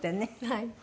はい。